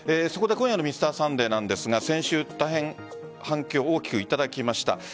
今夜の「Ｍｒ．サンデー」なんですが先週、大変反響を大きくいただきました。